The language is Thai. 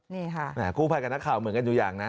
นี่ค่ะกู้ภัยกับนักข่าวเหมือนกันอยู่อย่างนะ